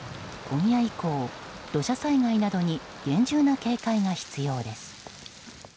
今夜以降、土砂災害などに厳重な警戒が必要です。